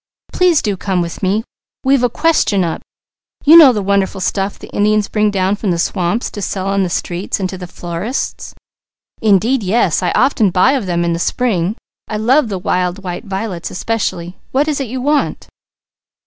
Please do come with me. We've a question up. You know the wonderful stuff the Indians bring down from the swamps to sell on the streets and to the florists?" "Indeed yes! I often buy of them in the spring. I love the wild white violets especially. What is it you want?"